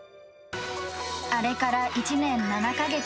あれから１年７か月。